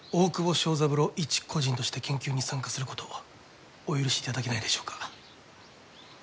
昭三郎一個人として研究に参加することお許しいただけないでしょうか？